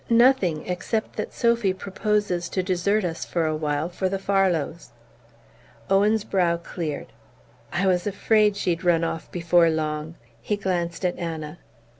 Nothing, except that Sophy proposes to desert us for a while for the Farlows." Owen's brow cleared. "I was afraid she'd run off before long." He glanced at Anna.